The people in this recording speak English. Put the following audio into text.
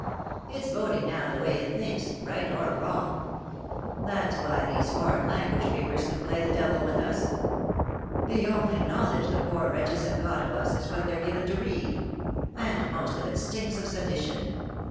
It's voting now the way it thinks, right or wrong. That's why these foreign language papers can play the devil with us. The only knowledge the poor wretches have got of us is what they're given to read. And most of it stinks of sedition.